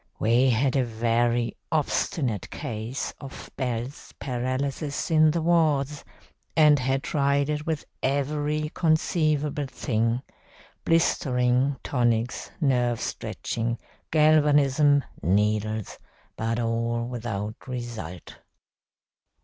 We had a very obstinate case of Bell's paralysis in the wards, and had tried it with every conceivable thing, blistering, tonics, nerve stretching, galvanism, needles, but all without result.